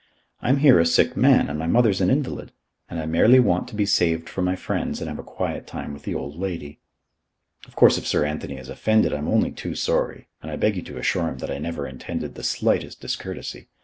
I'm here a sick man and my mother's an invalid. And I merely want to be saved from my friends and have a quiet time with the old lady. Of course if Sir Anthony is offended, I'm only too sorry, and I beg you to assure him that I never intended the slightest discourtesy.